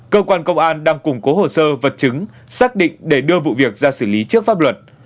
cơ quan công an đang củng cố hồ sơ vật chứng xác định để đưa vụ việc ra xử lý trước pháp luật